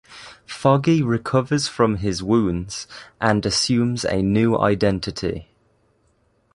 Foggy recovers from his wounds and assumes a new identity.